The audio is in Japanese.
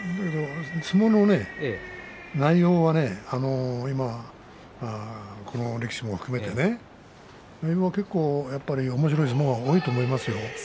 相撲の内容は今この力士も含めて結構おもしろい相撲が多いと思いますよ。